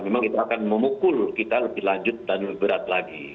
memang itu akan memukul kita lebih lanjut dan lebih berat lagi